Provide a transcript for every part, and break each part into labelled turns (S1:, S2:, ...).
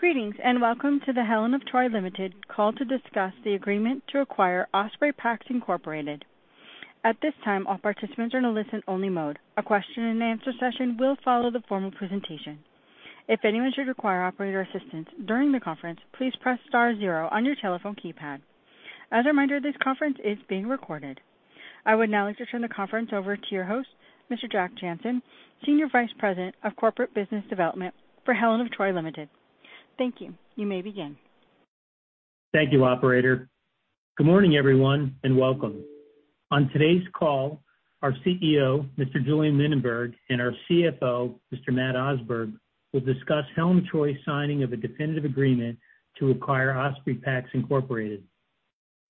S1: Greetings, and Welcome to the Helen of Troy Limited call to discuss the agreement to acquire Osprey Packs, Inc. At this time, all participants are in a listen-only mode. A question-and-answer session will follow the formal presentation. If anyone should require operator assistance during the conference, please press star zero on your telephone keypad. As a reminder, this conference is being recorded. I would now like to turn the conference over to your host, Mr. Jack Jancin, Senior Vice President of Corporate Business Development for Helen of Troy Limited. Thank you. You may begin.
S2: Thank you, operator. Good morning, everyone, and welcome. On today's call, our CEO, Mr. Julien Mininberg, and our CFO, Mr. Matt Osberg, will discuss Helen of Troy's signing of a definitive agreement to acquire Osprey Packs Incorporated.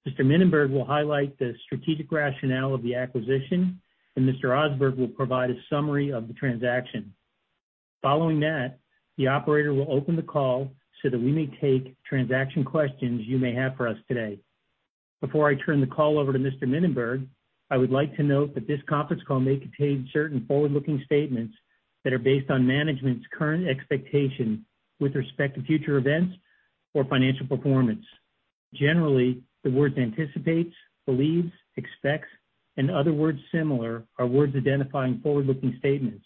S2: Mr. Mininberg will highlight the strategic rationale of the acquisition, and Mr. Osberg will provide a summary of the transaction. Following that, the operator will open the call so that we may take transaction questions you may have for us today. Before I turn the call over to Mr. Mininberg, I would like to note that this conference call may contain certain forward-looking statements that are based on management's current expectations with respect to future events or financial performance. Generally, the words anticipate, believes, expects, and other words similar are words identifying forward-looking statements.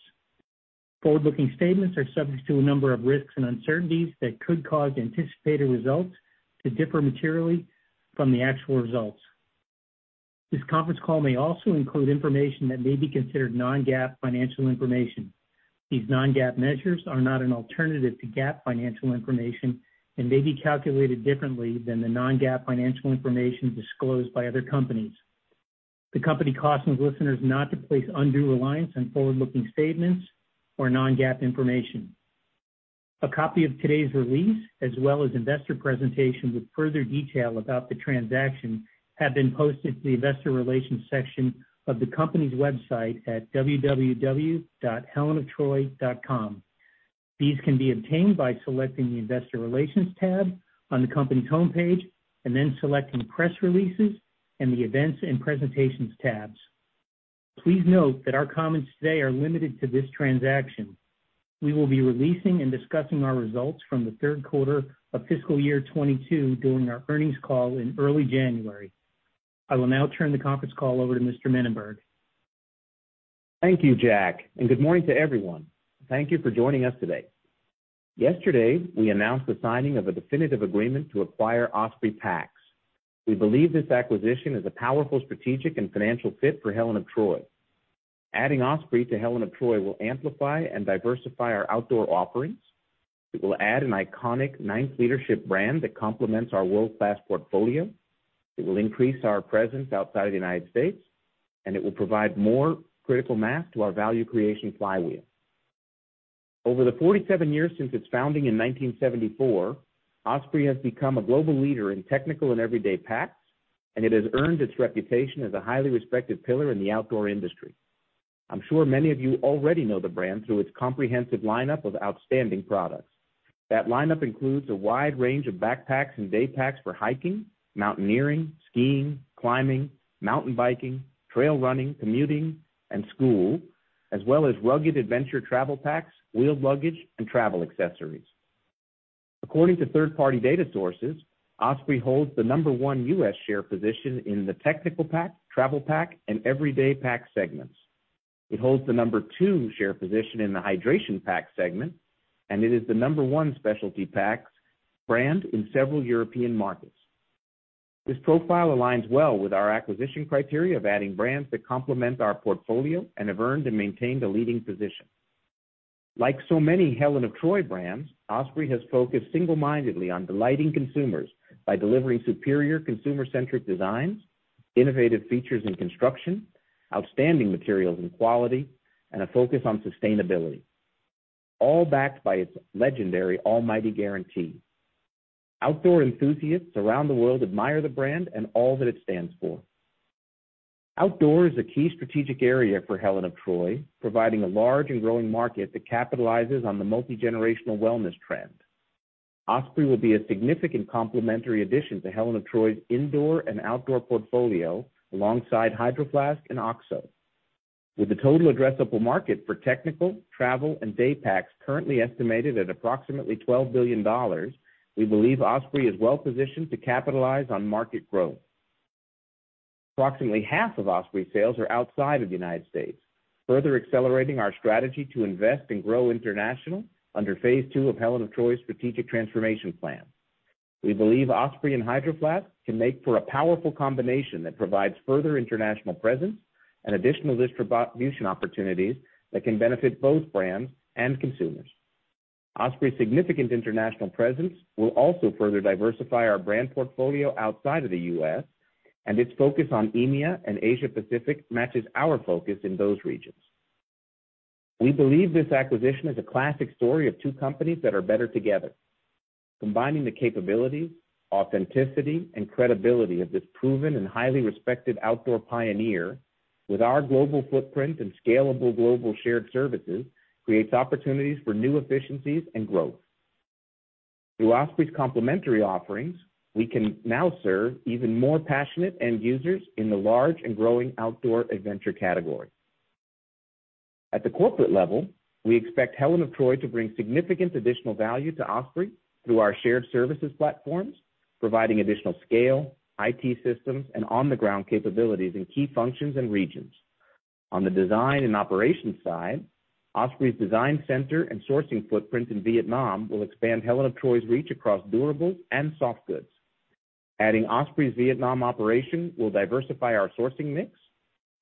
S2: Forward-looking statements are subject to a number of risks and uncertainties that could cause anticipated results to differ materially from the actual results. This conference call may also include information that may be considered non-GAAP financial information. These non-GAAP measures are not an alternative to GAAP financial information and may be calculated differently than the non-GAAP financial information disclosed by other companies. The company cautions listeners not to place undue reliance on forward-looking statements or non-GAAP information. A copy of today's release, as well as investor presentation with further detail about the transaction, have been posted to the investor relations section of the company's website at www.helenoftroy.com. These can be obtained by selecting the Investor Relations tab on the company's homepage and then selecting Press Releases and the Events and Presentations tabs. Please note that our comments today are limited to this transaction. We will be releasing and discussing our results from the third quarter of fiscal year 2022 during our earnings call in early January. I will now turn the conference call over to Mr. Mininberg.
S3: Thank you, Jack, and good morning to everyone. Thank you for joining us today. Yesterday, we announced the signing of a definitive agreement to acquire Osprey Packs. We believe this acquisition is a powerful strategic and financial fit for Helen of Troy. Adding Osprey to Helen of Troy will amplify and diversify our outdoor offerings. It will add an iconic ninth leadership brand that complements our world-class portfolio. It will increase our presence outside of the United States, and it will provide more critical mass to our value creation flywheel. Over the 47 years since its founding in 1974, Osprey has become a global leader in technical and everyday packs, and it has earned its reputation as a highly respected pillar in the outdoor industry. I'm sure many of you already know the brand through its comprehensive lineup of outstanding products. That lineup includes a wide range of backpacks and daypacks for hiking, mountaineering, skiing, climbing, mountain biking, trail running, commuting, and school, as well as rugged adventure travel packs, wheeled luggage, and travel accessories. According to third-party data sources, Osprey holds the number one U.S. share position in the technical pack, travel pack, and everyday pack segments. It holds the number two share position in the hydration pack segment, and it is the number one specialty packs brand in several European markets. This profile aligns well with our acquisition criteria of adding brands that complement our portfolio and have earned and maintained a leading position. Like so many Helen of Troy brands, Osprey has focused single-mindedly on delighting consumers by delivering superior consumer-centric designs, innovative features and construction, outstanding materials and quality, and a focus on sustainability, all backed by its legendary All Mighty Guarantee. Outdoor enthusiasts around the world admire the brand and all that it stands for. Outdoor is a key strategic area for Helen of Troy, providing a large and growing market that capitalizes on the multigenerational wellness trend. Osprey will be a significant complementary addition to Helen of Troy's indoor and outdoor portfolio, alongside Hydro Flask and OXO. With the total addressable market for technical, travel, and daypacks currently estimated at approximately $12 billion, we believe Osprey is well positioned to capitalize on market growth. Approximately half of Osprey sales are outside of the United States, further accelerating our strategy to invest and grow international under Phase II of Helen of Troy's strategic transformation plan. We believe Osprey and Hydro Flask can make for a powerful combination that provides further international presence and additional distribution opportunities that can benefit both brands and consumers. Osprey's significant international presence will also further diversify our brand portfolio outside of the U.S., and its focus on EMEA and Asia Pacific matches our focus in those regions. We believe this acquisition is a classic story of two companies that are better together. Combining the capabilities, authenticity, and credibility of this proven and highly respected outdoor pioneer with our global footprint and scalable global shared services creates opportunities for new efficiencies and growth. Through Osprey's complementary offerings, we can now serve even more passionate end users in the large and growing outdoor adventure category. At the corporate level, we expect Helen of Troy to bring significant additional value to Osprey through our shared services platforms, providing additional scale, IT systems, and on-the-ground capabilities in key functions and regions. On the design and operations side, Osprey's design center and sourcing footprint in Vietnam will expand Helen of Troy's reach across durables and soft goods. Adding Osprey's Vietnam operation will diversify our sourcing mix,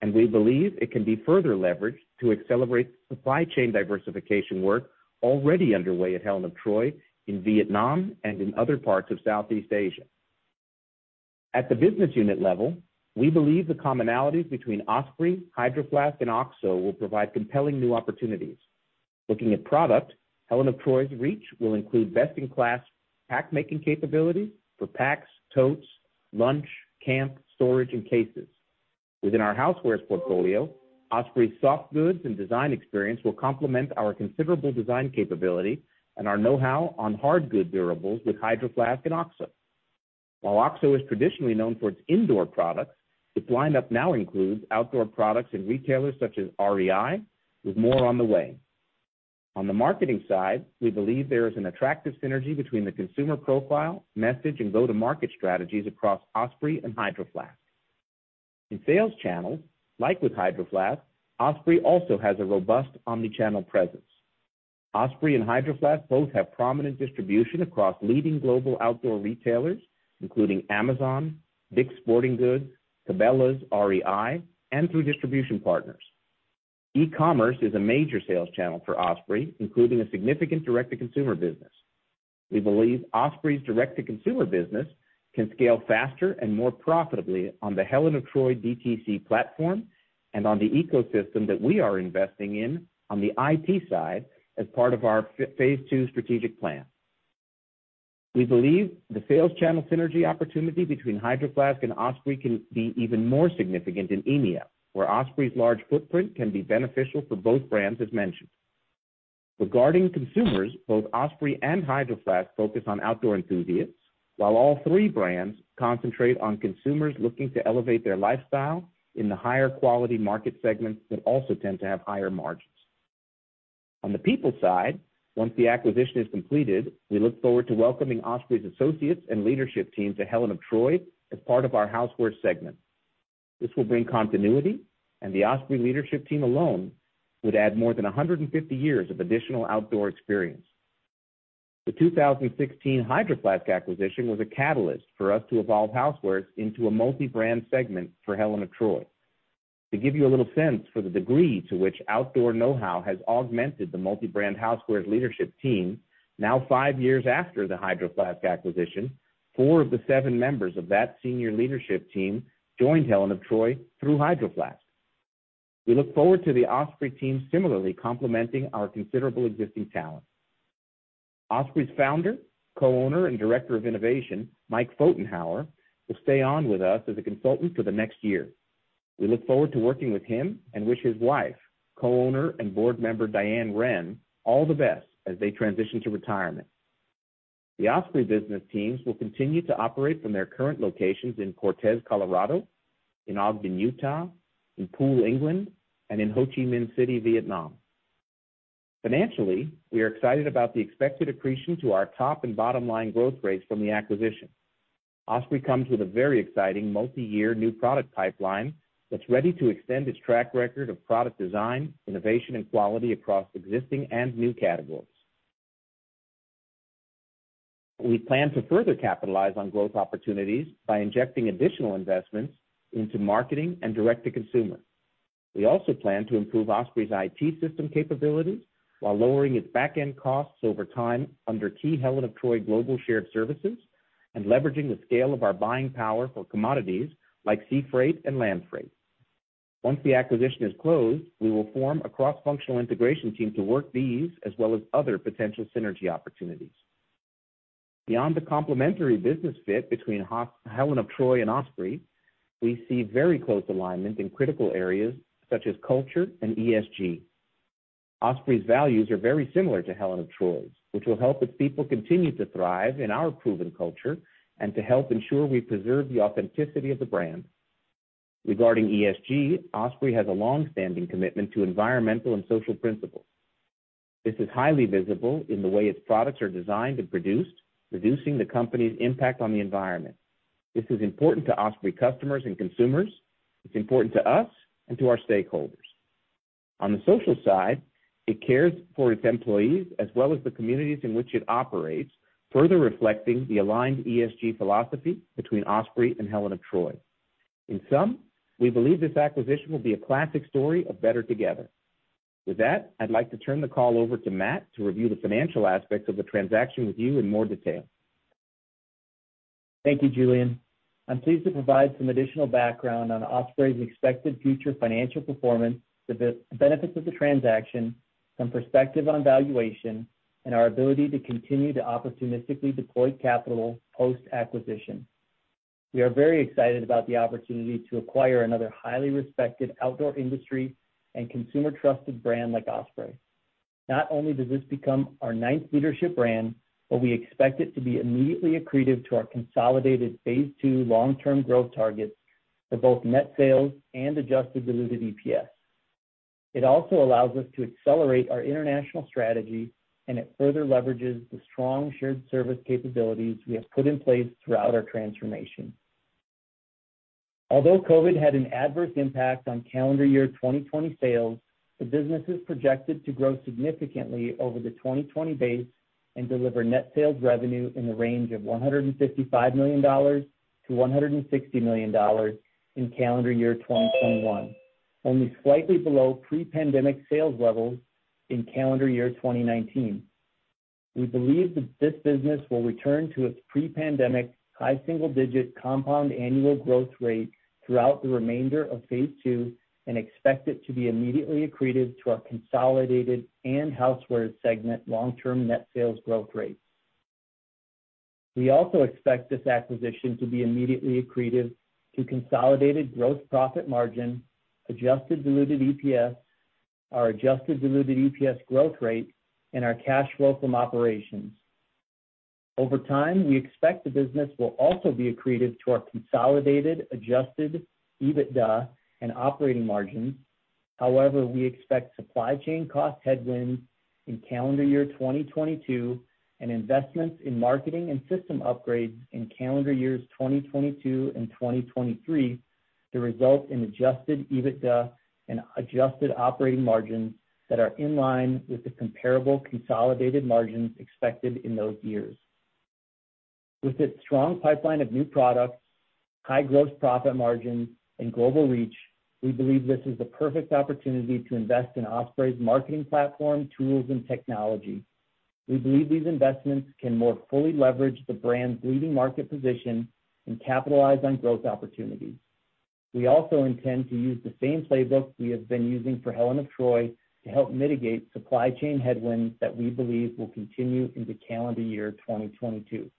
S3: and we believe it can be further leveraged to accelerate supply chain diversification work already underway at Helen of Troy in Vietnam and in other parts of Southeast Asia. At the business unit level, we believe the commonalities between Osprey, Hydro Flask, and OXO will provide compelling new opportunities. Looking at product, Helen of Troy's reach will include best-in-class pack making capability for packs, totes, lunch, camp, storage, and cases. Within our houseware's portfolio, Osprey's soft goods and design experience will complement our considerable design capability and our know-how on hard good durables with Hydro Flask and OXO. While OXO is traditionally known for its indoor products, its lineup now includes outdoor products in retailers such as REI, with more on the way. On the marketing side, we believe there is an attractive synergy between the consumer profile, message, and go-to-market strategies across Osprey and Hydro Flask. In sales channels, like with Hydro Flask, Osprey also has a robust omni-channel presence. Osprey and Hydro Flask both have prominent distribution across leading global outdoor retailers, including Amazon, DICK'S Sporting Goods, Cabela's, REI, and through distribution partners. E-commerce is a major sales channel for Osprey, including a significant direct-to-consumer business. We believe Osprey's direct-to-consumer business can scale faster and more profitably on the Helen of Troy DTC platform and on the ecosystem that we are investing in on the IT side as part of our Phase II strategic plan. We believe the sales channel synergy opportunity between Hydro Flask and Osprey can be even more significant in EMEA, where Osprey's large footprint can be beneficial for both brands, as mentioned. Regarding consumers, both Osprey and Hydro Flask focus on outdoor enthusiasts, while all three brands concentrate on consumers looking to elevate their lifestyle in the higher quality market segments that also tend to have higher margins. On the people side, once the acquisition is completed, we look forward to welcoming Osprey's associates and leadership team to Helen of Troy as part of our housewares segment. This will bring continuity, and the Osprey leadership team alone would add more than 150 years of additional outdoor experience. The 2016 Hydro Flask acquisition was a catalyst for us to evolve housewares into a multi-brand segment for Helen of Troy. To give you a little sense for the degree to which outdoor know-how has augmented the multi-brand housewares leadership team, now five years after the Hydro Flask acquisition, four of the seven members of that senior leadership team joined Helen of Troy through Hydro Flask. We look forward to the Osprey team similarly complementing our considerable existing talent. Osprey's Founder, Co-owner, and Director of Innovation, Mike Pfotenhauer, will stay on with us as a consultant for the next year. We look forward to working with him and wish his wife, Co-owner, and Board Member, Diane Wren, all the best as they transition to retirement. The Osprey business teams will continue to operate from their current locations in Cortez, Colorado, in Ogden, Utah, in Poole, England, and in Ho Chi Minh City, Vietnam. Financially, we are excited about the expected accretion to our top and bottom-line growth rates from the acquisition. Osprey comes with a very exciting multi-year new product pipeline that's ready to extend its track record of product design, innovation, and quality across existing and new categories. We plan to further capitalize on growth opportunities by injecting additional investments into marketing and direct to consumer. We also plan to improve Osprey's IT system capabilities while lowering its back-end costs over time under key Helen of Troy global shared services and leveraging the scale of our buying power for commodities like sea freight and land freight. Once the acquisition is closed, we will form a cross-functional integration team to work these as well as other potential synergy opportunities. Beyond the complementary business fit between Helen of Troy and Osprey, we see very close alignment in critical areas such as culture and ESG. Osprey's values are very similar to Helen of Troy's, which will help its people continue to thrive in our proven culture and to help ensure we preserve the authenticity of the brand. Regarding ESG, Osprey has a long-standing commitment to environmental and social principles. This is highly visible in the way its products are designed and produced, reducing the company's impact on the environment. This is important to Osprey customers and consumers. It's important to us and to our stakeholders. On the social side, it cares for its employees as well as the communities in which it operates, further reflecting the aligned ESG philosophy between Osprey and Helen of Troy. In sum, we believe this acquisition will be a classic story of better together. With that, I'd like to turn the call over to Matt to review the financial aspects of the transaction with you in more detail.
S4: Thank you, Julien. I'm pleased to provide some additional background on Osprey's expected future financial performance, the benefits of the transaction, some perspective on valuation, and our ability to continue to opportunistically deploy capital post-acquisition. We are very excited about the opportunity to acquire another highly respected outdoor industry and consumer trusted brand like Osprey. Not only does this become our ninth leadership brand, but we expect it to be immediately accretive to our consolidated Phase II long-term growth targets for both net sales and adjusted diluted EPS. It also allows us to accelerate our international strategy, and it further leverages the strong shared service capabilities we have put in place throughout our transformation. Although COVID had an adverse impact on calendar year 2020 sales, the business is projected to grow significantly over the 2020 base and deliver net sales revenue in the range of $155 million-$160 million in calendar year 2021, only slightly below pre-pandemic sales levels in calendar year 2019. We believe that this business will return to its pre-pandemic high single digit compound annual growth rate throughout the remainder of Phase II and expect it to be immediately accretive to our consolidated and Housewares segment long-term net sales growth rates. We also expect this acquisition to be immediately accretive to consolidated gross profit margin, adjusted diluted EPS, our adjusted diluted EPS growth rate, and our cash flow from operations. Over time, we expect the business will also be accretive to our consolidated adjusted EBITDA and operating margin. However, we expect supply chain cost headwinds in calendar year 2022 and investments in marketing and system upgrades in calendar years 2022 and 2023 to result in adjusted EBITDA and adjusted operating margins that are in line with the comparable consolidated margins expected in those years. With its strong pipeline of new products, high gross profit margins, and global reach, we believe this is the perfect opportunity to invest in Osprey's marketing platform, tools, and technology. We believe these investments can more fully leverage the brand's leading market position and capitalize on growth opportunities. We also intend to use the same playbook we have been using for Helen of Troy to help mitigate supply chain headwinds that we believe will continue into calendar year 2022.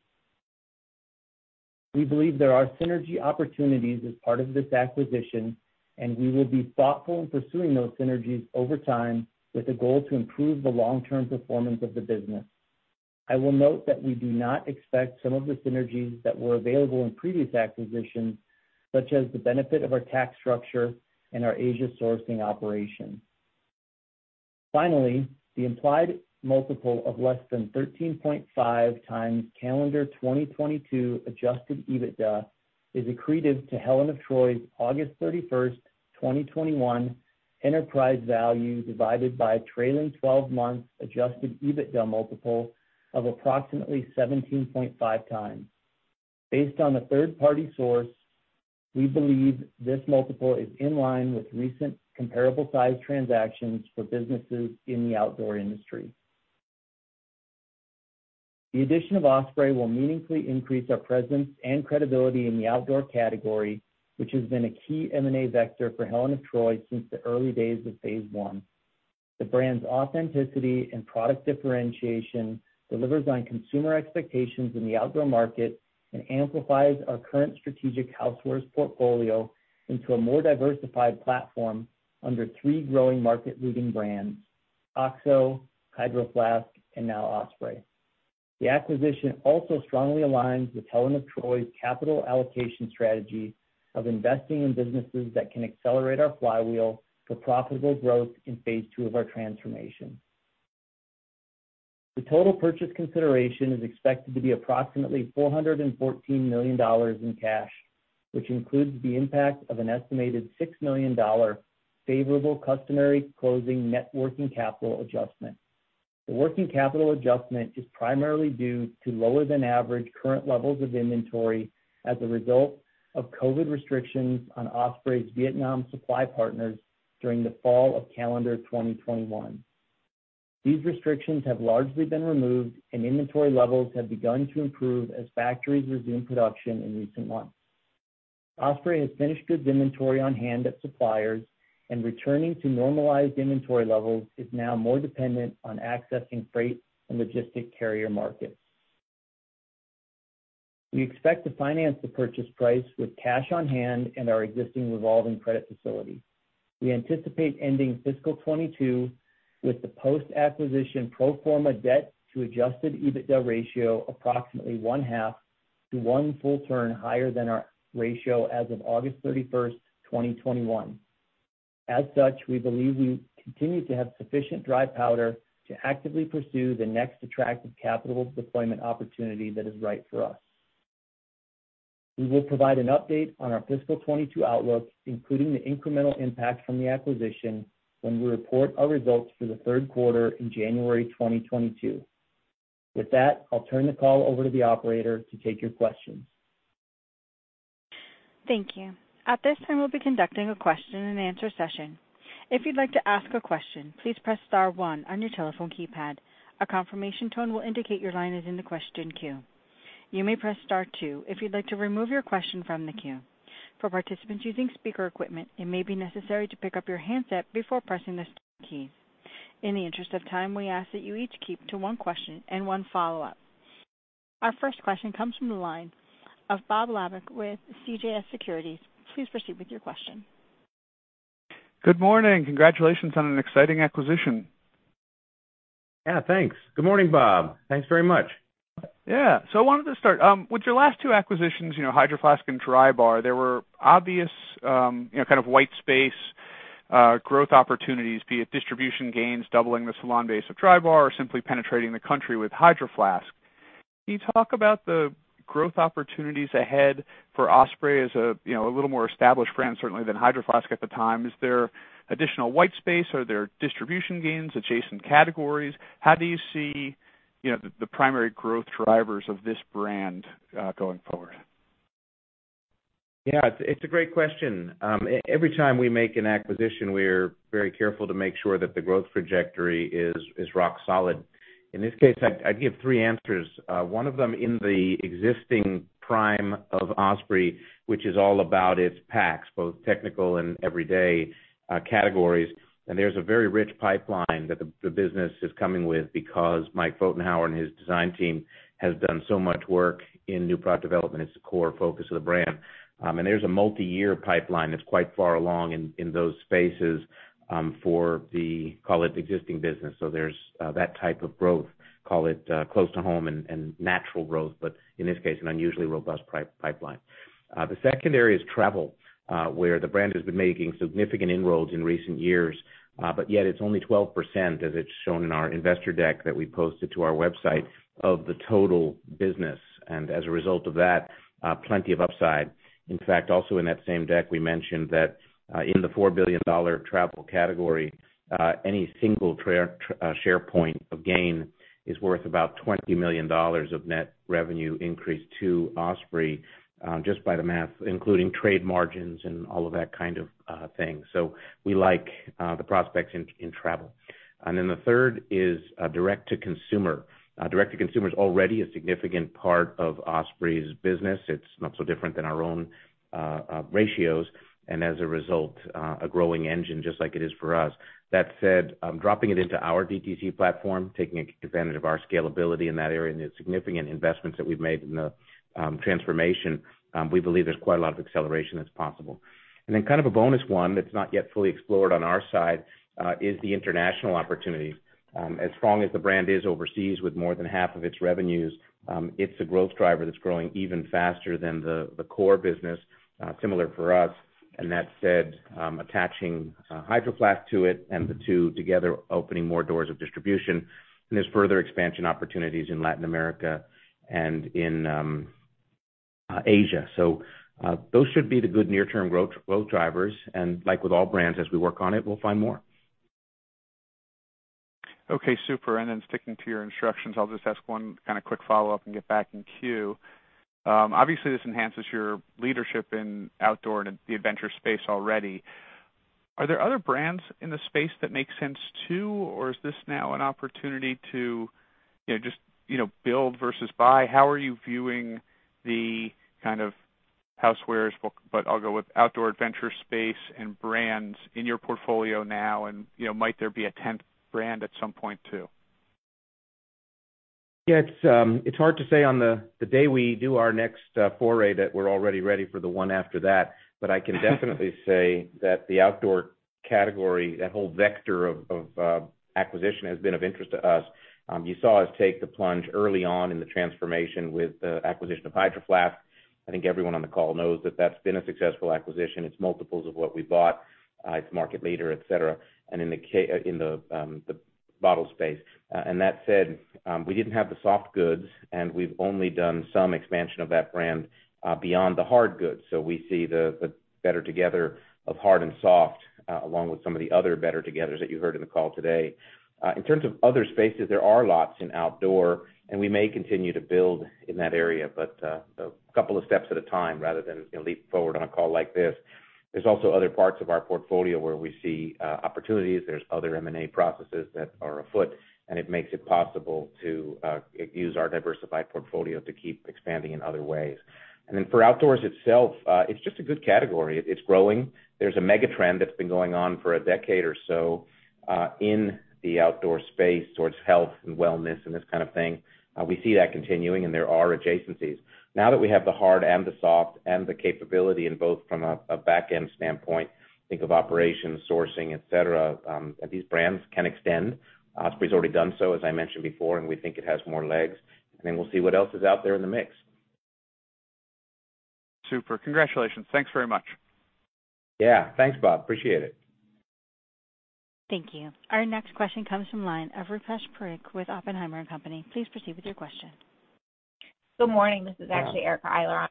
S4: We believe there are synergy opportunities as part of this acquisition, and we will be thoughtful in pursuing those synergies over time with a goal to improve the long-term performance of the business. I will note that we do not expect some of the synergies that were available in previous acquisitions, such as the benefit of our tax structure and our Asia sourcing operation. Finally, the implied multiple of less than 13.5x calendar 2022 adjusted EBITDA is accretive to Helen of Troy's August 31st, 2021, enterprise value divided by a trailing twelve-month adjusted EBITDA multiple of approximately 17.5x. Based on a third-party source, we believe this multiple is in line with recent comparable size transactions for businesses in the outdoor industry. The addition of Osprey will meaningfully increase our presence and credibility in the outdoor category, which has been a key M&A vector for Helen of Troy since the early days of Phase I. The brand's authenticity and product differentiation delivers on consumer expectations in the outdoor market and amplifies our current strategic housewares portfolio into a more diversified platform under three growing market leading brands, OXO, Hydro Flask, and now Osprey. The acquisition also strongly aligns with Helen of Troy's capital allocation strategy of investing in businesses that can accelerate our flywheel for profitable growth in Phase II of our transformation. The total purchase consideration is expected to be approximately $414 million in cash, which includes the impact of an estimated $6 million favorable customary closing net working capital adjustment. The working capital adjustment is primarily due to lower-than-average current levels of inventory as a result of COVID restrictions on Osprey's Vietnam supply partners during the fall of calendar 2021. These restrictions have largely been removed, and inventory levels have begun to improve as factories resume production in recent months. Osprey has finished goods inventory on hand at suppliers, and returning to normalized inventory levels is now more dependent on accessing freight and logistics carrier markets. We expect to finance the purchase price with cash on hand and our existing revolving credit facility. We anticipate ending fiscal 2022 with the post-acquisition pro forma debt to adjusted EBITDA ratio approximately one half to one full turn higher than our ratio as of August 31st, 2021. As such, we believe we continue to have sufficient dry powder to actively pursue the next attractive capital deployment opportunity that is right for us. We will provide an update on our fiscal 2022 outlook, including the incremental impact from the acquisition, when we report our results for the third quarter in January 2022. With that, I'll turn the call over to the operator to take your questions.
S1: Thank you. At this time, we'll be conducting a question-and-answer session. If you'd like to ask a question, please press star one on your telephone keypad. A confirmation tone will indicate your line is in the question queue. You may press star two if you'd like to remove your question from the queue. For participants using speaker equipment, it may be necessary to pick up your handset before pressing the star key. In the interest of time, we ask that you each keep to one question and one follow-up. Our first question comes from the line of Robert Labick with CJS Securities. Please proceed with your question.
S5: Good morning. Congratulations on an exciting acquisition.
S3: Yeah, thanks. Good morning, Bob. Thanks very much.
S5: Yeah. I wanted to start with your last two acquisitions, you know, Hydro Flask and Drybar. There were obvious, you know, kind of white space growth opportunities, be it distribution gains, doubling the salon base of Drybar, or simply penetrating the country with Hydro Flask. Can you talk about the growth opportunities ahead for Osprey as a, you know, a little more established brand, certainly than Hydro Flask at the time. Is there additional white space? Are there distribution gains, adjacent categories? How do you see, you know, the primary growth drivers of this brand going forward?
S3: Yeah, it's a great question. Every time we make an acquisition, we're very careful to make sure that the growth trajectory is rock solid. In this case, I'd give three answers. One of them in the existing prime of Osprey, which is all about its packs, both technical and everyday categories. There's a very rich pipeline that the business is coming with because Mike Pfotenhauer and his design team has done so much work in new product development. It's the core focus of the brand. There's a multiyear pipeline that's quite far along in those spaces, for the, call it, existing business. There's that type of growth, call it, close to home and natural growth, but in this case, an unusually robust pipeline. The second area is travel, where the brand has been making significant inroads in recent years, but yet it's only 12% as it's shown in our investor deck that we posted to our website of the total business. As a result of that, plenty of upside. In fact, also in that same deck, we mentioned that, in the $4 billion travel category, any single share point of gain is worth about $20 million of net revenue increase to Osprey, just by the math, including trade margins and all of that kind of thing. We like the prospects in travel. The third is direct to consumer. Direct to consumer is already a significant part of Osprey's business. It's not so different than our own ratios, and as a result, a growing engine, just like it is for us. That said, dropping it into our DTC platform, taking advantage of our scalability in that area and the significant investments that we've made in the transformation, we believe there's quite a lot of acceleration that's possible. Then kind of a bonus one that's not yet fully explored on our side is the international opportunity. As strong as the brand is overseas with more than half of its revenues, it's a growth driver that's growing even faster than the core business, similar for us. That said, attaching Hydro Flask to it and the two together opening more doors of distribution. There's further expansion opportunities in Latin America and in Asia. Those should be the good near term growth drivers. Like with all brands, as we work on it, we'll find more.
S5: Okay, super. Sticking to your instructions, I'll just ask one kind of quick follow-up and get back in queue. Obviously, this enhances your leadership in outdoor and the adventure space already. Are there other brands in the space that make sense too, or is this now an opportunity to, you know, just, you know, build versus buy? How are you viewing the kind of housewares, but I'll go with outdoor adventure space and brands in your portfolio now and, you know, might there be a tenth brand at some point too?
S3: Yeah, it's hard to say on the day we do our next foray that we're already ready for the one after that. I can definitely say that the outdoor category, that whole vector of acquisition has been of interest to us. You saw us take the plunge early on in the transformation with the acquisition of Hydro Flask. I think everyone on the call knows that that's been a successful acquisition. It's multiples of what we bought. It's market leader, et cetera, and in the bottle space. That said, we didn't have the soft goods, and we've only done some expansion of that brand beyond the hard goods. We see the better together of hard and soft, along with some of the other better togethers that you heard in the call today. In terms of other spaces, there are lots in outdoor, and we may continue to build in that area, but a couple of steps at a time rather than leap forward on a call like this. There's also other parts of our portfolio where we see opportunities. There's other M&A processes that are afoot, and it makes it possible to use our diversified portfolio to keep expanding in other ways. For outdoors itself, it's just a good category. It's growing. There's a mega trend that's been going on for a decade or so in the outdoor space towards health and wellness and this kind of thing. We see that continuing and there are adjacencies. Now that we have the hard and the soft and the capability in both from a back-end standpoint, think of operations, sourcing, et cetera, these brands can extend. Osprey's already done so, as I mentioned before, and we think it has more legs. Then we'll see what else is out there in the mix.
S5: Super. Congratulations. Thanks very much.
S3: Yeah. Thanks, Bob. Appreciate it.
S1: Thank you. Our next question comes from the line of Rupesh Parikh with Oppenheimer & Co. Please proceed with your question.
S6: Good morning. This is actually Erica Eiler on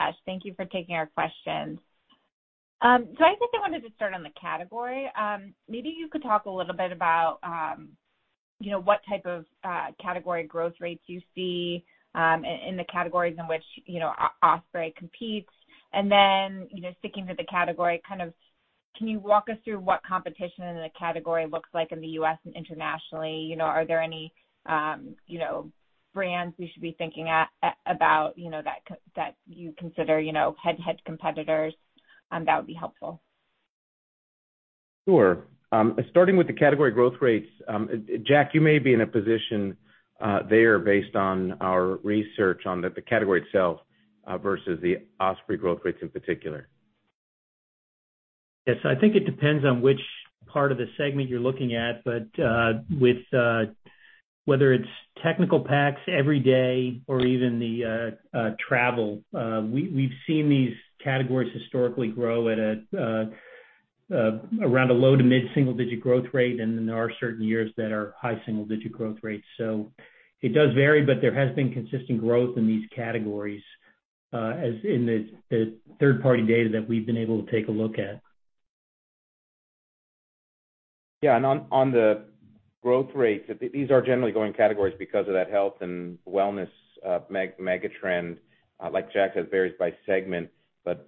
S6: Rupesh. Thank you for taking our questions. I think I wanted to start on the category. Maybe you could talk a little bit about, you know, what type of category growth rates you see in the categories in which, you know, Osprey competes. You know, sticking to the category, kind of can you walk us through what competition in the category looks like in the U.S. and internationally? You know, are there any, you know, brands we should be thinking about, you know, that you consider, you know, head competitors? That would be helpful.
S3: Sure. Starting with the category growth rates, Jack, you may be in a position there based on our research on the category itself versus the Osprey growth rates in particular.
S2: Yes. I think it depends on which part of the segment you're looking at. With whether it's technical packs every day or even the travel, we've seen these categories historically grow at around a low to mid-single digit growth rate, and then there are certain years that are high single digit growth rates. It does vary, but there has been consistent growth in these categories as in the third-party data that we've been able to take a look at.
S3: Yeah. On the growth rates, these are generally growing categories because of that health and wellness megatrend, like Jack said, varies by segment.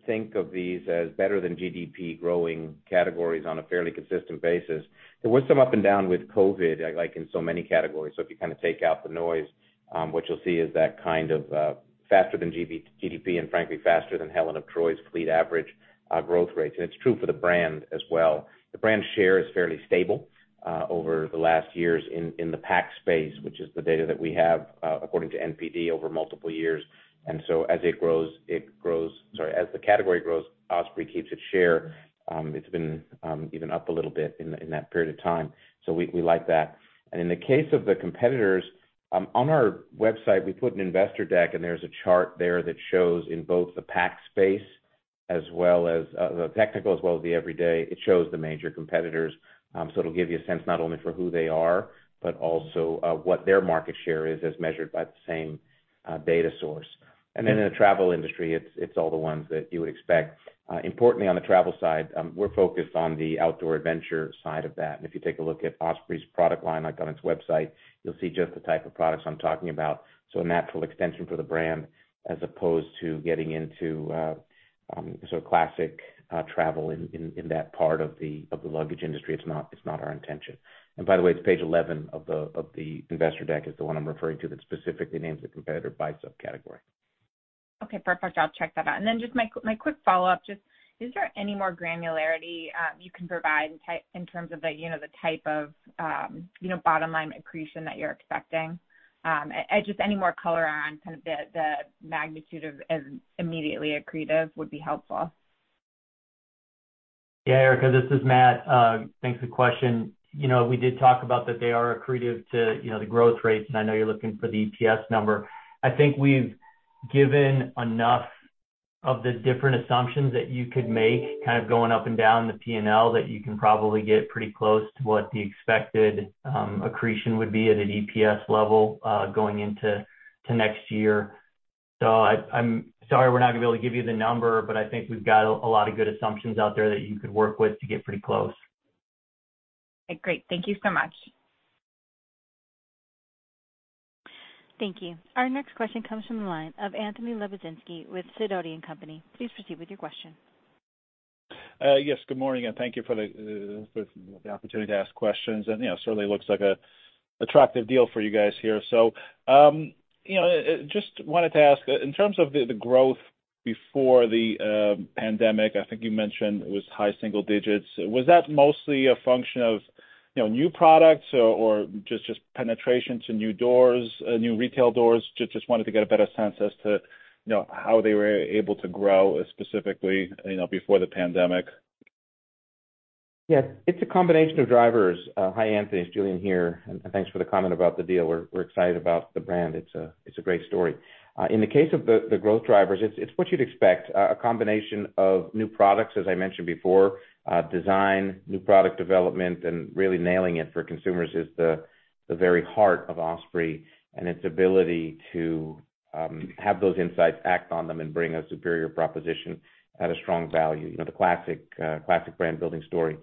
S3: Think of these as better than GDP growing categories on a fairly consistent basis. There was some up and down with COVID, like in so many categories. If you kind of take out the noise, what you'll see is that kind of faster than GDP, and frankly, faster than Helen of Troy's fleet average growth rates. It's true for the brand as well. The brand share is fairly stable over the last years in the pack space, which is the data that we have according to NPD over multiple years. As the category grows, Osprey keeps its share. It's been even up a little bit in that period of time, so we like that. In the case of the competitors, on our website, we put an investor deck, and there's a chart there that shows in both the pack space as well as the technical as well as the everyday the major competitors. So, it'll give you a sense not only for who they are, but also what their market share is as measured by the same data source. Then in the travel industry, it's all the ones that you would expect. Importantly, on the travel side, we're focused on the outdoor adventure side of that. If you take a look at Osprey's product line, like on its website, you'll see just the type of products I'm talking about. A natural extension for the brand as opposed to getting into sort of classic travel in that part of the luggage industry. It's not our intention. By the way, it's page 11 of the investor deck is the one I'm referring to that specifically names the competitor by subcategory.
S6: Okay, perfect. I'll check that out. Just my quick follow-up. Is there any more granularity you can provide in terms of the, you know, the type of bottom-line accretion that you're expecting? Just any more color around kind of the magnitude of immediately accretive would be helpful.
S4: Yeah, Erica, this is Matt. Thanks for the question. You know, we did talk about that they are accretive to, you know, the growth rates, and I know you're looking for the EPS number. I think we've given enough of the different assumptions that you could make kind of going up and down the P&L that you can probably get pretty close to what the expected accretion would be at an EPS level going into next year. I'm sorry we're not gonna be able to give you the number, but I think we've got a lot of good assumptions out there that you could work with to get pretty close.
S6: Great. Thank you so much.
S1: Thank you. Our next question comes from the line of Anthony Lebiedzinski with Sidoti & Company. Please proceed with your question.
S7: Yes, good morning, and thank you for the opportunity to ask questions. You know, certainly looks like an attractive deal for you guys here. You know, just wanted to ask, in terms of the growth before the pandemic, I think you mentioned it was high single digits. Was that mostly a function of, you know, new products or just penetration to new doors, new retail doors? Just wanted to get a better sense as to, you know, how they were able to grow, specifically, you know, before the pandemic.
S3: Yes, it's a combination of drivers. Hi, Anthony, it's Julien here. Thanks for the comment about the deal. We're excited about the brand. It's a great story. In the case of the growth drivers, it's what you'd expect, a combination of new products, as I mentioned before, design, new product development, and really nailing it for consumers is the very heart of Osprey and its ability to have those insights, act on them, and bring a superior proposition at a strong value. You know, the classic brand building story.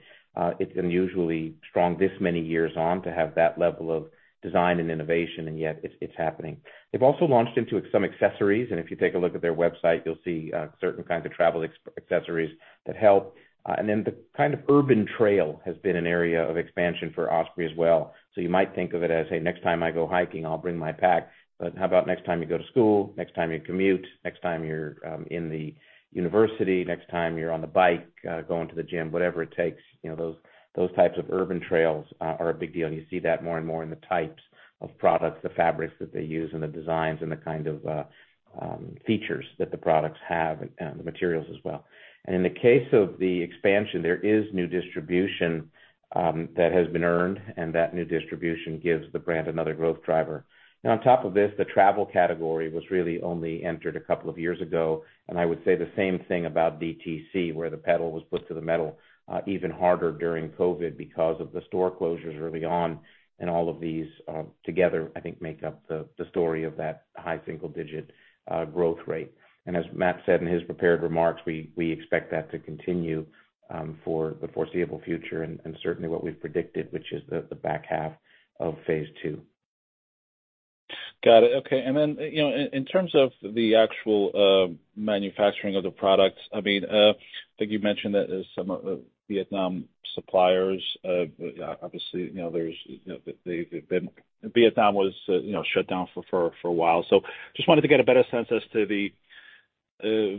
S3: It's unusually strong this many years on to have that level of design and innovation, and yet it's happening. They've also launched into some accessories, and if you take a look at their website, you'll see certain kinds of travel accessories that help. The kind of urban trail has been an area of expansion for Osprey as well. You might think of it as, hey, next time I go hiking, I'll bring my pack. How about next time you go to school, next time you commute, next time you're in the university, next time you're on the bike going to the gym, whatever it takes. You know, those types of urban trails are a big deal, and you see that more and more in the types of products, the fabrics that they use and the designs and the kind of features that the products have and the materials as well. In the case of the expansion, there is new distribution that has been earned, and that new distribution gives the brand another growth driver. Now on top of this, the travel category was really only entered a couple of years ago, and I would say the same thing about DTC, where the pedal was put to the metal even harder during COVID because of the store closures early on. All of these together, I think make up the story of that high single digit growth rate. As Matt said in his prepared remarks, we expect that to continue for the foreseeable future and certainly what we've predicted, which is the back half of Phase II.
S7: Got it. Okay. You know, in terms of the actual manufacturing of the products, I mean, I think you mentioned that some of Vietnam suppliers, obviously, you know, Vietnam was, you know, shut down for a while. Just wanted to get a better sense as to the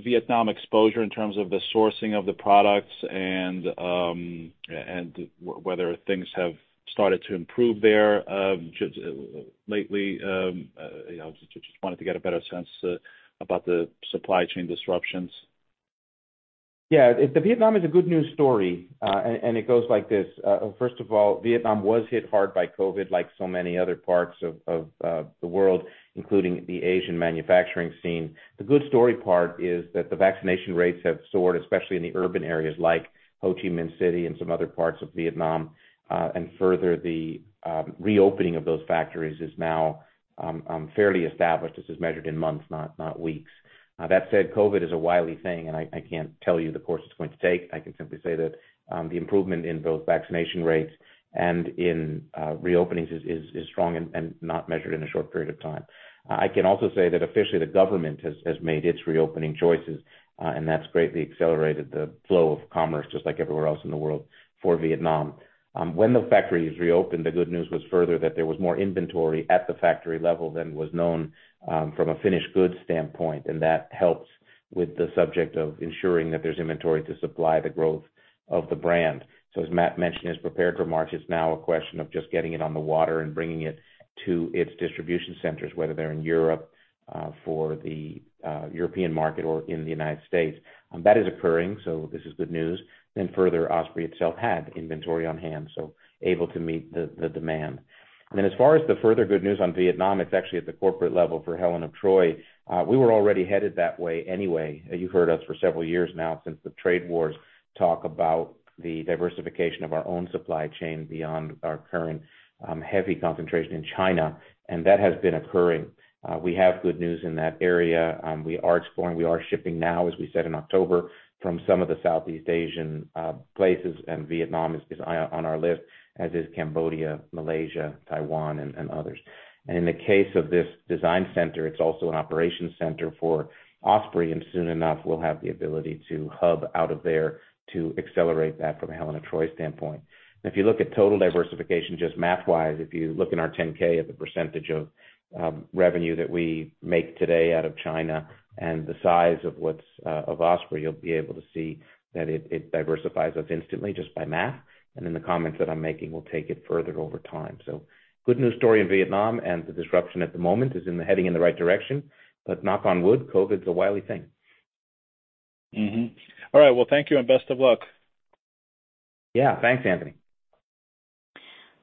S7: Vietnam exposure in terms of the sourcing of the products and whether things have started to improve there, just lately, you know, just wanted to get a better sense about the supply chain disruptions.
S3: Yeah. Vietnam is a good news story, and it goes like this. First of all, Vietnam was hit hard by COVID like so many other parts of the world, including the Asian manufacturing scene. The good story part is that the vaccination rates have soared, especially in the urban areas like Ho Chi Minh City and some other parts of Vietnam. Further, the reopening of those factories is now fairly established. This is measured in months, not weeks. That said, COVID is a wily thing, and I can't tell you the course it's going to take. I can simply say that the improvement in both vaccination rates and in reopenings is strong and not measured in a short period of time. I can also say that officially the government has made its reopening choices, and that's greatly accelerated the flow of commerce, just like everywhere else in the world for Vietnam. When the factories reopened, the good news was further that there was more inventory at the factory level than was known, from a finished goods standpoint, and that helps with the subject of ensuring that there's inventory to supply the growth of the brand. As Matt mentioned in his prepared remarks, it's now a question of just getting it on the water and bringing it to its distribution centers, whether they're in Europe, for the European market or in the United States. That is occurring, so this is good news. Further, Osprey itself had inventory on hand, so able to meet the demand. As far as the further good news on Vietnam, it's actually at the corporate level for Helen of Troy. We were already headed that way anyway. You've heard us for several years now since the trade wars talk about the diversification of our own supply chain beyond our current heavy concentration in China, and that has been occurring. We have good news in that area. We are exploring, we are shipping now, as we said in October, from some of the Southeast Asian places, and Vietnam is on our list, as is Cambodia, Malaysia, Taiwan, and others. In the case of this design center, it's also an operations center for Osprey, and soon enough, we'll have the ability to hub out of there to accelerate that from a Helen of Troy standpoint. If you look at total diversification, just math-wise, if you look in our 10-K at the percentage of revenue that we make today out of China and the size of what's of Osprey, you'll be able to see that it diversifies us instantly just by math. Then the comments that I'm making will take it further over time. Good news story in Vietnam, and the disruption at the moment is heading in the right direction. Knock on wood, COVID is a wily thing.
S7: All right. Well, thank you and best of luck.
S3: Yeah. Thanks, Anthony.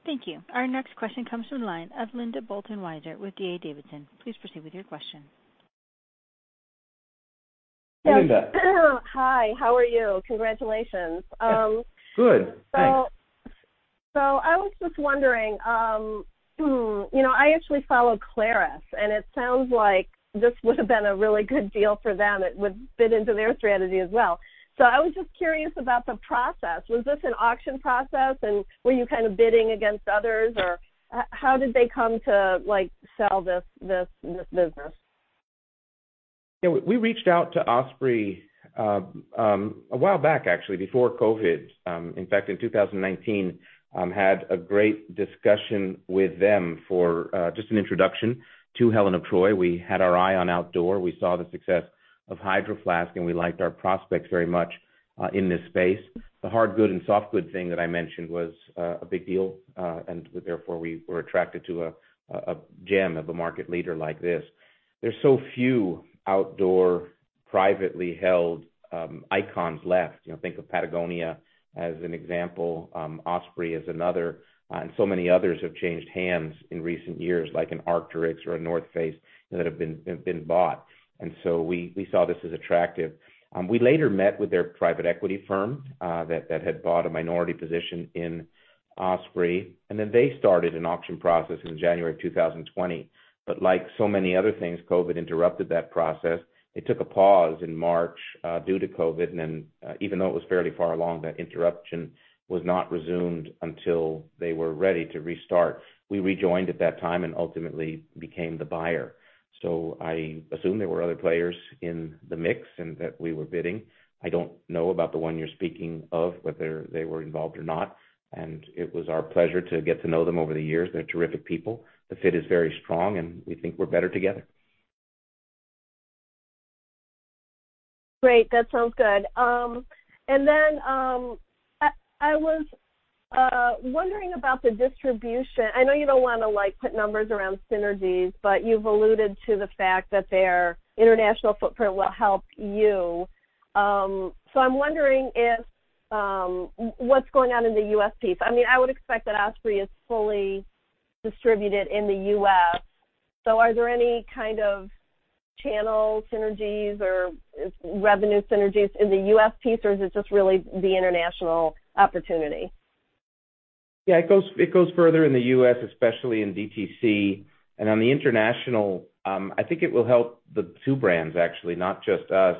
S1: Thank you. Our next question comes from the line of Linda Bolton Weiser with D.A. Davidson. Please proceed with your question.
S3: Linda.
S8: Hi, how are you? Congratulations.
S3: Good. Thanks.
S8: I was just wondering, you know, I actually follow Clarus, and it sounds like this would have been a really good deal for them. It would fit into their strategy as well. I was just curious about the process. Was this an auction process, and were you kind of bidding against others, or how did they come to, like, sell this business?
S3: Yeah. We reached out to Osprey a while back, actually, before COVID. In fact, in 2019, we had a great discussion with them for just an introduction to Helen of Troy. We had our eye on outdoor. We saw the success of Hydro Flask, and we liked our prospects very much in this space. The hard good and soft good thing that I mentioned was a big deal, and therefore, we were attracted to a gem of a market leader like this. There's so few outdoor privately held icons left. You know, think of Patagonia as an example. Osprey is another. Many others have changed hands in recent years, like an Arc'teryx or a North Face that have been bought. We saw this as attractive. We later met with their private equity firm that had bought a minority position in Osprey, and then they started an auction process in January 2020. Like so many other things, COVID interrupted that process. It took a pause in March due to COVID, and then, even though it was fairly far along, that interruption was not resumed until they were ready to restart. We rejoined at that time and ultimately became the buyer. I assume there were other players in the mix and that we were bidding. I don't know about the one you're speaking of, whether they were involved or not. It was our pleasure to get to know them over the years. They're terrific people. The fit is very strong, and we think we're better together.
S8: Great. That sounds good. I was wondering about the distribution. I know you don't wanna, like, put numbers around synergies, but you've alluded to the fact that their international footprint will help you. I'm wondering if, what's going on in the U.S. piece? I mean, I would expect that Osprey is fully distributed in the U.S. Are there any kind of channel synergies or revenue synergies in the U.S. piece, or is it just really the international opportunity?
S3: Yeah, it goes further in the U.S., especially in DTC. On the international, I think it will help the two brands actually, not just us.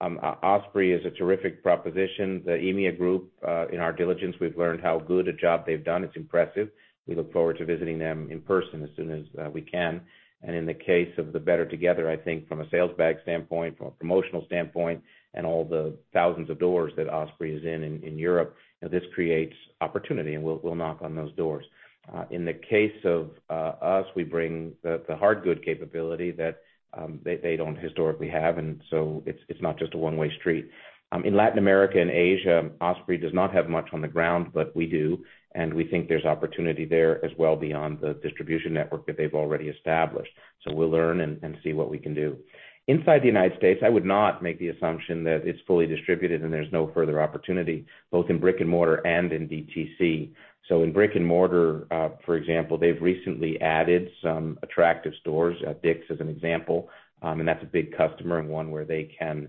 S3: Osprey is a terrific proposition. The EMEA group, in our diligence, we've learned how good a job they've done. It's impressive. We look forward to visiting them in person as soon as we can. In the case of the Better Together, I think from a sales bag standpoint, from a promotional standpoint, and all the thousands of doors that Osprey is in Europe, you know, this creates opportunity, and we'll knock on those doors. In the case of us, we bring the hard good capability that they don't historically have, and so it's not just a one-way street. In Latin America and Asia, Osprey does not have much on the ground, but we do. We think there's opportunity there as well beyond the distribution network that they've already established. We'll learn and see what we can do. Inside the United States, I would not make the assumption that it's fully distributed and there's no further opportunity, both in brick-and-mortar and in DTC. In brick-and-mortar, for example, they've recently added some attractive stores at DICK'S, as an example. That's a big customer and one where they can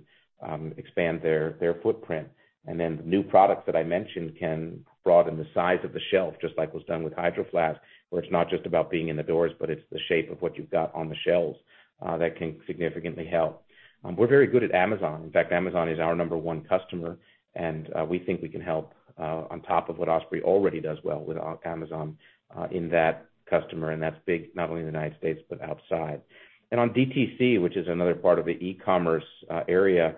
S3: expand their footprint. Then the new products that I mentioned can broaden the size of the shelf, just like was done with Hydro Flask, where it's not just about being in the doors, but it's the shape of what you've got on the shelves that can significantly help. We're very good at Amazon. In fact, Amazon is our number one customer, and we think we can help on top of what Osprey already does well with Amazon in that customer, and that's big, not only in the United States, but outside. On DTC, which is another part of the e-commerce area,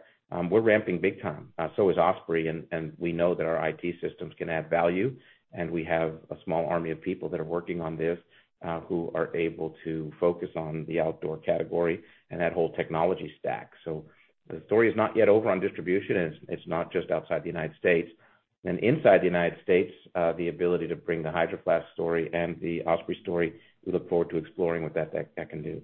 S3: we're ramping big time, so is Osprey, and we know that our IT systems can add value, and we have a small army of people that are working on this, who are able to focus on the outdoor category and that whole technology stack. The story is not yet over on distribution, and it's not just outside the United States. Inside the United States, the ability to bring the Hydro Flask story and the Osprey story, we look forward to exploring what that tech can do.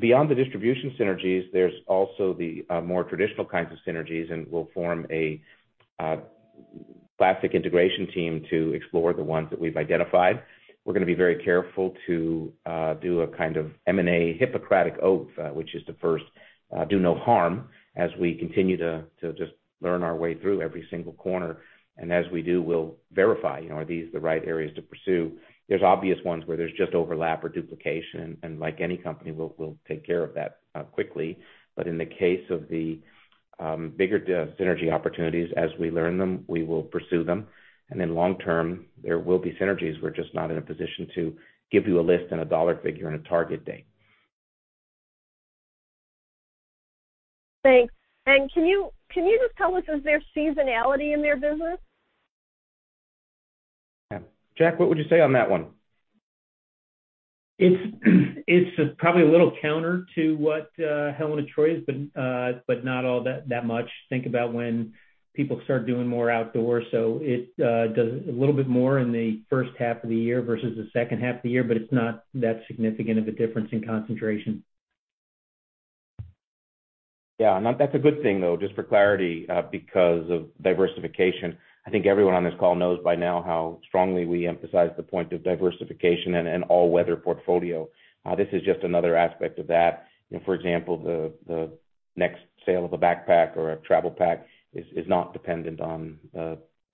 S3: Beyond the distribution synergies, there's also the more traditional kinds of synergies, and we'll form a classic integration team to explore the ones that we've identified. We're gonna be very careful to do a kind of M&A Hippocratic oath, which is to first do no harm as we continue to just learn our way through every single corner. As we do, we'll verify, you know, are these the right areas to pursue? There's obvious ones where there's just overlap or duplication, and like any company, we'll take care of that quickly. In the case of the bigger synergy opportunities, as we learn them, we will pursue them. In the long term, there will be synergies. We're just not in a position to give you a list and a dollar figure and a target date.
S8: Thanks. Can you just tell us, is there seasonality in their business?
S3: Yeah. Jack, what would you say on that one?
S2: It's probably a little counter to what Helen of Troy has been, but not all that much. Think about when people start doing more outdoor. It does a little bit more in the first half of the year versus the second half of the year, but it's not that significant of a difference in concentration.
S3: That's a good thing, though, just for clarity, because of diversification. I think everyone on this call knows by now how strongly we emphasize the point of diversification and all-weather portfolio. This is just another aspect of that. For example, the next sale of a backpack or a travel pack is not dependent on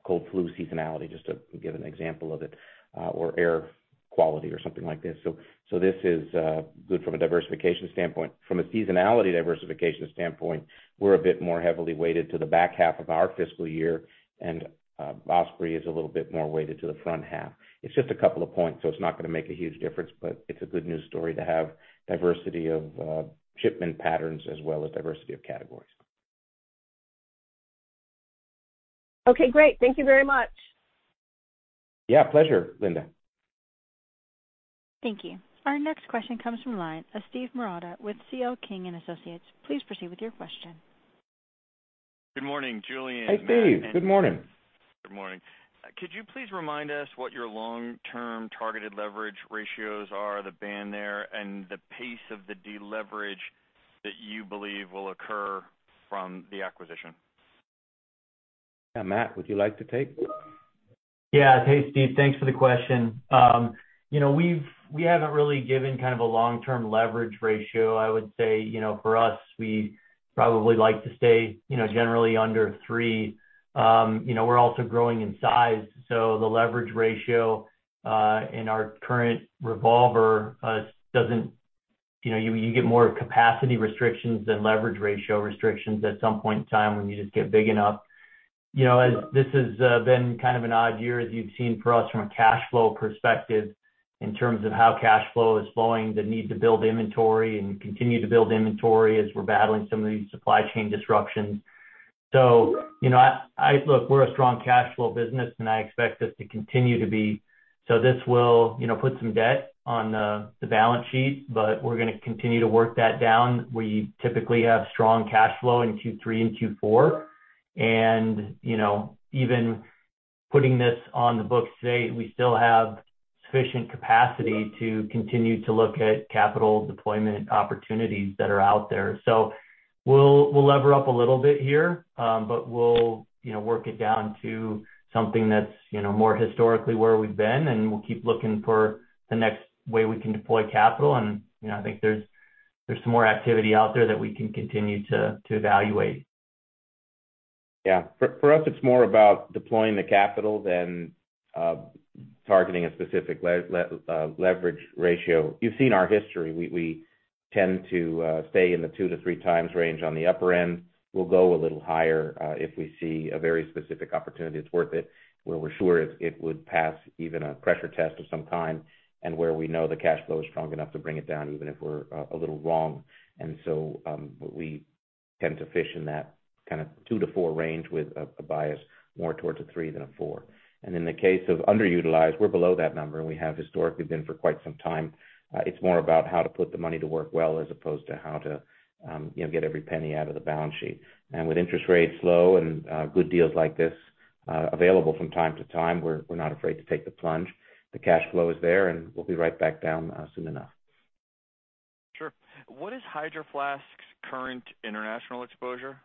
S3: cold/flu seasonality, just to give an example of it, or air quality or something like this. This is good from a diversification standpoint. From a seasonality diversification standpoint, we're a bit more heavily weighted to the back half of our fiscal year, and Osprey is a little bit more weighted to the front half. It's just a couple of points, so it's not gonna make a huge difference, but it's a good news story to have diversity of shipment patterns as well as diversity of categories.
S8: Okay, great. Thank you very much.
S3: Yeah. Pleasure, Linda.
S1: Thank you. Our next question comes from the line of Steve Marotta with C.L. King & Associates. Please proceed with your question.
S9: Good morning, Julien.
S3: Hey, Steve. Good morning.
S9: Good morning. Could you please remind us what your long-term targeted leverage ratios are, the band there, and the pace of the deleverage that you believe will occur from the acquisition?
S3: Yeah. Matt, would you like to take this?
S4: Yeah. Hey, Steve. Thanks for the question. You know, we haven't really given kind of a long-term leverage ratio. I would say, you know, for us, we probably like to stay, you know, generally under three. You know, we're also growing in size, so the leverage ratio in our current revolver doesn't you know, you get more capacity restrictions than leverage ratio restrictions at some point in time when you just get big enough. You know, this has been kind of an odd year, as you've seen for us from a cash flow perspective in terms of how cash flow is flowing, the need to build inventory and continue to build inventory as we're battling some of these supply chain disruptions. So, you know, look, we're a strong cash flow business, and I expect us to continue to be. This will, you know, put some debt on the balance sheet, but we're gonna continue to work that down. We typically have strong cash flow in Q3 and Q4. You know, even putting this on the books today, we still have sufficient capacity to continue to look at capital deployment opportunities that are out there. We'll lever up a little bit here, but we'll, you know, work it down to something that's, you know, more historically where we've been, and we'll keep looking for the next way we can deploy capital. You know, I think there's some more activity out there that we can continue to evaluate.
S3: Yeah. For us, it's more about deploying the capital than targeting a specific leverage ratio. You've seen our history. We tend to stay in the 2x-3x range on the upper end. We'll go a little higher if we see a very specific opportunity that's worth it, where we're sure it would pass even a pressure test of some kind and where we know the cash flow is strong enough to bring it down, even if we're a little wrong. We tend to fish in that kinda 2x-4x range with a bias more towards a 3x than a 4x, In the case of underutilized, we're below that number, and we have historically been for quite some time. It's more about how to put the money to work well as opposed to how to, you know, get every penny out of the balance sheet. With interest rates low and good deals like this available from time to time, we're not afraid to take the plunge. The cash flow is there, and we'll be right back down soon enough.
S9: Sure. What is Hydro Flask's current international exposure?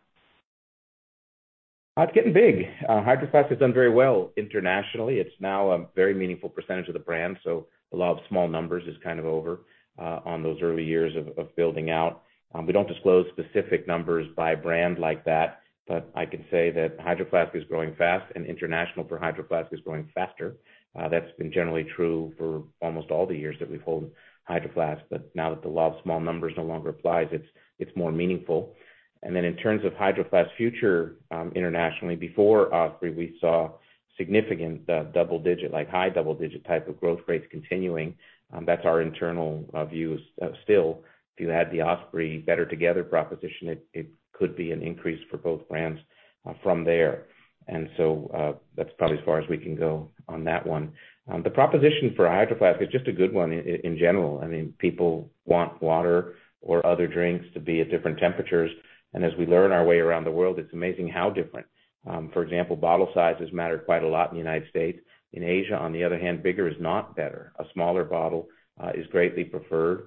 S3: It's getting big. Hydro Flask has done very well internationally. It's now a very meaningful percentage of the brand, so the law of small numbers is kind of over on those early years of building out. We don't disclose specific numbers by brand like that, but I can say that Hydro Flask is growing fast, and international for Hydro Flask is growing faster. That's been generally true for almost all the years that we've held Hydro Flask. Now that the law of small numbers no longer applies, it's more meaningful. In terms of Hydro Flask's future internationally, before Osprey, we saw significant double-digit, like high double-digit type of growth rates continuing. That's our internal view still. If you add the Osprey Better Together proposition, it could be an increase for both brands from there. That's probably as far as we can go on that one. The proposition for Hydro Flask is just a good one in general. I mean, people want water or other drinks to be at different temperatures. As we learn our way around the world, it's amazing how different. For example, bottle sizes matter quite a lot in the United States. In Asia, on the other hand, bigger is not better. A smaller bottle is greatly preferred.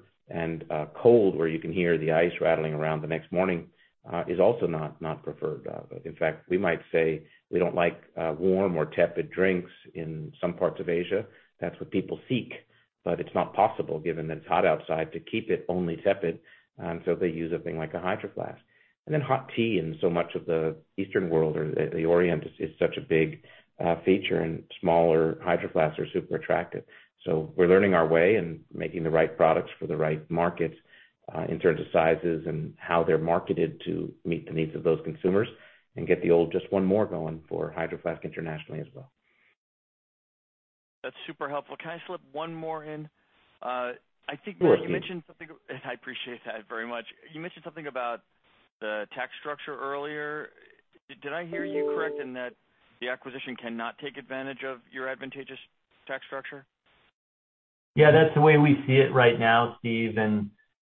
S3: Cold, where you can hear the ice rattling around the next morning, is also not preferred. In fact, we might say we don't like warm or tepid drinks. In some parts of Asia, that's what people seek, but it's not possible, given that it's hot outside, to keep it only tepid, so they use a thing like a Hydro Flask. Hot tea in so much of the Eastern world or the Orient is such a big feature, and smaller Hydro Flasks are super attractive. We're learning our way and making the right products for the right markets in terms of sizes and how they're marketed to meet the needs of those consumers and get the old just one more going for Hydro Flask internationally as well.
S9: That's super helpful. Can I slip one more in? I think-
S3: Sure, Steve.
S9: You mentioned something. I appreciate that very much. You mentioned something about the tax structure earlier. Did I hear you correctly in that the acquisition cannot take advantage of your advantageous tax structure?
S4: Yeah, that's the way we see it right now, Steve.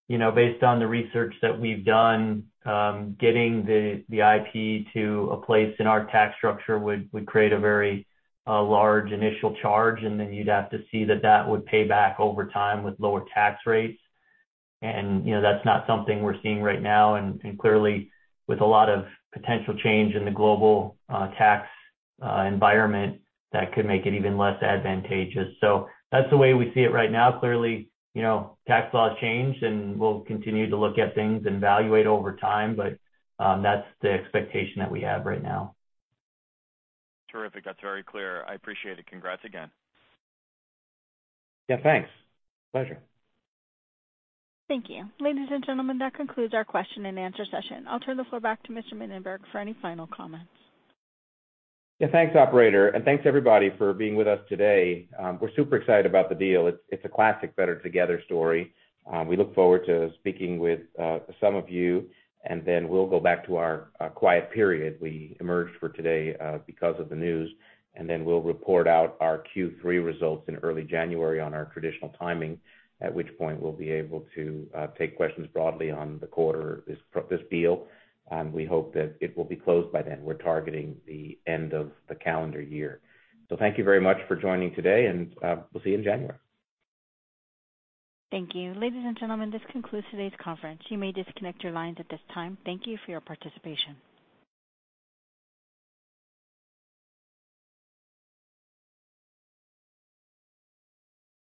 S4: You know, based on the research that we've done, getting the IP to a place in our tax structure would create a very large initial charge, and then you'd have to see that would pay back over time with lower tax rates. You know, that's not something we're seeing right now. Clearly, with a lot of potential change in the global tax environment, that could make it even less advantageous. That's the way we see it right now. Clearly, you know, tax laws change, and we'll continue to look at things and evaluate over time. That's the expectation that we have right now.
S9: Terrific. That's very clear. I appreciate it. Congrats again.
S3: Yeah, thanks. Pleasure.
S1: Thank you. Ladies and gentlemen, that concludes our question-and-answer session. I'll turn the floor back to Mr. Mininberg for any final comments.
S3: Yeah, thanks, operator, and thanks, everybody, for being with us today. We're super excited about the deal. It's a classic better together story. We look forward to speaking with some of you, and then we'll go back to our quiet period. We emerged for today because of the news, and then we'll report out our Q3 results in early January on our traditional timing, at which point we'll be able to take questions broadly on the quarter, this deal. We hope that it will be closed by then. We're targeting the end of the calendar year. Thank you very much for joining today, and we'll see you in January.
S1: Thank you. Ladies and gentlemen, this concludes today's conference. You may disconnect your lines at this time. Thank you for your participation.